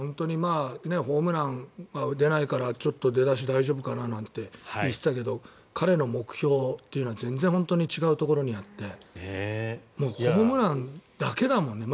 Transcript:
ホームラン出ないからちょっと出だし大丈夫かななんて言ってたけど彼の目標というのは全然本当に違うところにあってホームランだけだもんね。